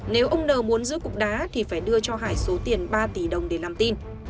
nếu ông n muốn giữ cục đá thì phải đưa cho hải số tiền ba tỷ đồng để làm tin